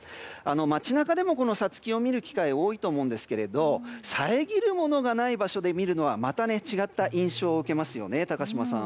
街中でもサツキを見る機会が多いと思うんですが遮るものがない場所で見るのはまた違った印象を受けますよね高島さん。